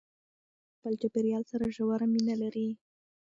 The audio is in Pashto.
انسان له خپل چاپیریال سره ژوره مینه لري.